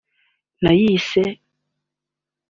nayise